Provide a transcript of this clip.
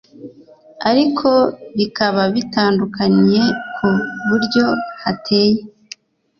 ariko bikaba bitandukaniye ku buryo hateye